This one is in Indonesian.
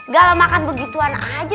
gak lemakan begituan aja